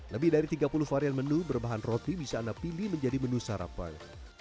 lebih dari tiga puluh varian menu berbahan roti bisa anda pilih menjadi menu sarapan